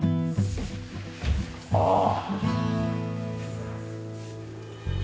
ああ。